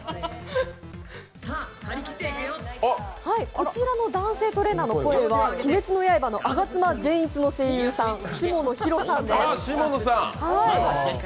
こちらの男性トレーナーの声は我妻善逸の声優さん、下野紘さんです。